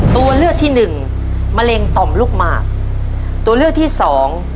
ตัวเลือกที่หนึ่งมะเร็งต่อมลูกหมากตัวเลือกที่สอง